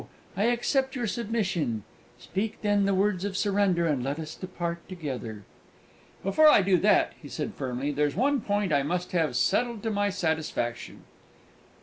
I accept your submission. Speak, then, the words of surrender, and let us depart together!" "Before I do that," he said firmly, "there's one point I must have settled to my satisfaction."